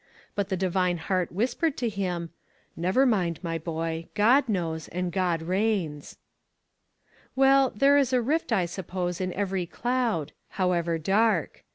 But the Divine Heart whispered to him :" Never mind, my boy, God knows, and God reigns." 466 ONE COMMONPLACE DAY. Well, there is a rift, I suppose, in every cloud, however dark.